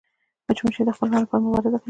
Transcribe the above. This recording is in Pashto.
مچمچۍ د خپل ژوند لپاره مبارزه کوي